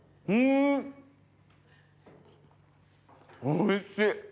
おいしい！